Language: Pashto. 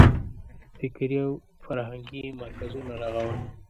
فکري او فرهنګي مرکزونه رغول.